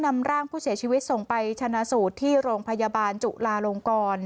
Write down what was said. นำร่างผู้เสียชีวิตส่งไปชนะสูตรที่โรงพยาบาลจุลาลงกร